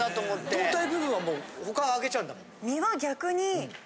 胴体部分はもう他あげちゃうんだもん。